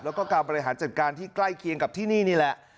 แล้วก็การบริหารจัดการที่ใกล้เคียงกับที่นี่นี่แหละ